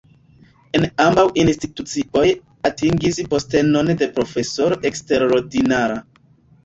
En ambaŭ institucioj atingis postenon de profesoro eksterordinara.